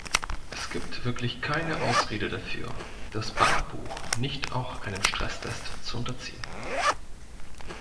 Es gibt wirklich keine Ausrede dafür, das Bankbuch nicht auch einem Stresstest zu unterziehen.